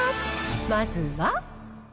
まずは。